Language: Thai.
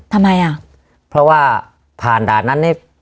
ทำไมอ่ะเพราะว่าผ่านด่านนั้นนี่